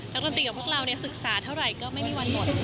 นักดนตรีของพวกเราเนี่ยศึกษาเท่าไหร่ก็ไม่มีวันหมด